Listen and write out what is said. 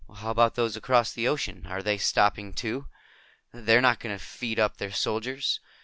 "How about those across the ocean? Are they stopping, too? They're not going to feed up their soldiers?